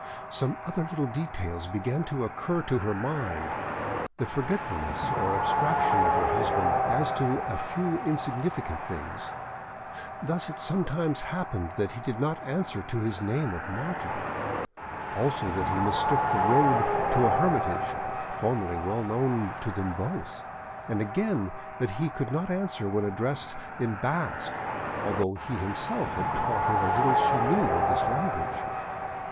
Some other little details began to occur to her mind—the forgetfulness or abstraction of her husband as to a few insignificant things; thus it sometimes happened that he did not answer to his name of Martin, also that he mistook the road to a hermitage, formerly well known to them both, and again that he could not answer when addressed in Basque, although he him self had taught her the little she knew of this language.